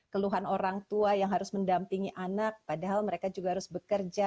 keluhan orang tua yang harus mendampingi anak padahal mereka juga harus bekerja